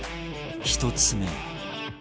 １つ目は